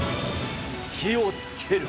火をつける。